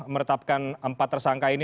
meretapkan empat tersangka ini